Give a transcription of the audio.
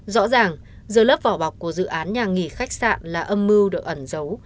rõ ràng giờ lớp vỏ bọc của dự án nhà nghỉ khách sạn là âm mưu được ẩn dấu